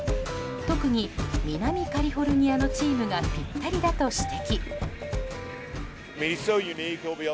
特に南カリフォルニアのチームがぴったりだと指摘。